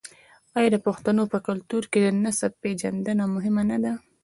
آیا د پښتنو په کلتور کې د نسب پیژندنه مهمه نه ده؟